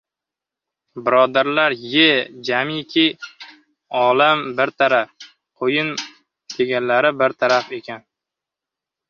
Birodarlar-ye, jamiki olam bir taraf, qo‘yin deganlari bir taraf ekan!